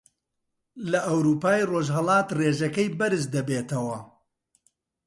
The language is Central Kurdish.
لە ئەورووپای ڕۆژهەڵات ڕێژەکەی بەرز دەبێتەوە